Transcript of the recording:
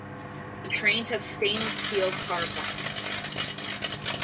The trains have stainless steel car bodies.